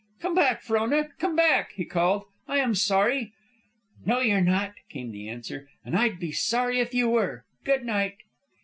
"Come back, Frona! Come back!" he called, "I am sorry." "No, you're not," came the answer. "And I'd be sorry if you were. Good night."